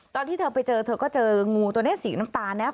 ตอนที่เธอไปเจอเธอก็เจองูตัวนี้สีน้ำตาลเนี่ย